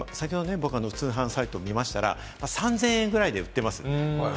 通販サイトを見ましたら、３０００円ぐらいで売っています。